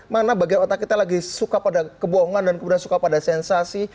mana bagian otak kita lagi suka pada kebohongan dan kemudian suka pada sensasi